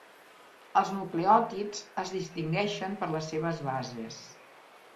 Els nucleòtids es distingeixen per les seves bases.